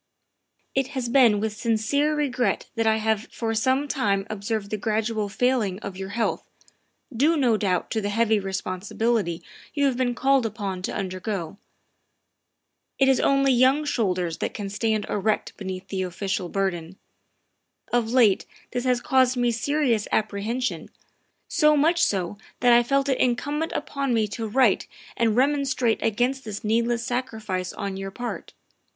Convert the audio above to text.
" It has been with sincere regret that 1 have for some time observed the gradual failing of your health, due no doubt to the heavy responsibilities you have been called upon to undergo. It is only young shoulders that can stand erect beneath the official 254 THE WIFE OF burden. Of late this has caused me serious apprehension, so much so that I feel it incumbent upon me to write and remon strate against this needless sacrifice on your part.